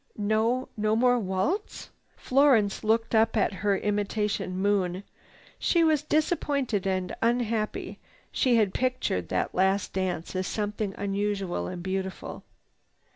"No—no more waltz!" Florence looked up at her imitation moon. She was disappointed and unhappy. She had pictured that last dance as something unusual and beautiful.